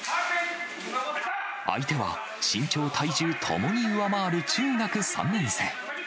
相手は身長、体重ともに上回る中学３年生。